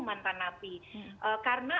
mantan api karena